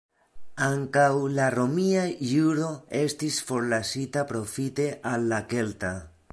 Ankaŭ la romia juro estis forlasita profite al la kelta.